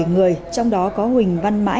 bảy người trong đó có huỳnh văn mã